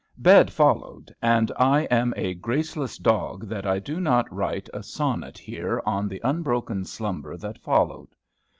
Bed followed; and I am a graceless dog that I do not write a sonnet here on the unbroken slumber that followed.